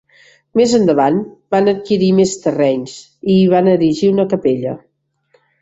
Més endavant van adquirir més terrenys i hi van erigir una capella.